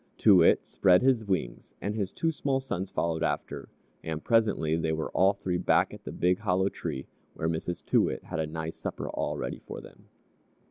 Too Wit spread his wings, and his two small sons followed after, and presently they were all three back at the big hollow tree, where Mrs. Too wit had a nice supper all ready for them.